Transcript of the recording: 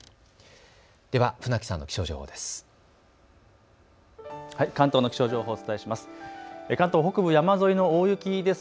では船木さんの気象情報です。